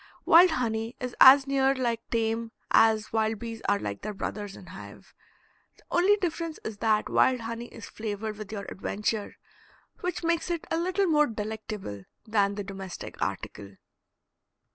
Wild honey is as near like tame as wild bees are like their brothers in hive. The only difference is that wild honey is flavored with your adventure, which makes it a little more delectable than the domestic article.